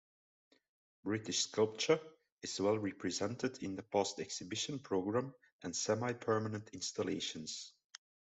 British sculpture is well represented in the past exhibition programme and semi-permanent installations.